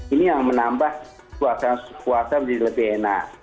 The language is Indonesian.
ini yang menambah suasana puasa menjadi lebih enak